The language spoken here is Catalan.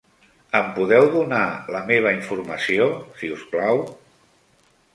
Em podeu donar la meva informació, si us plau?